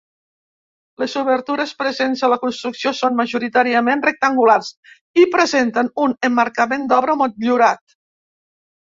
Les obertures presents a la construcció són majoritàriament rectangulars i presenten un emmarcament d'obra motllurat.